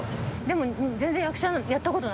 でも。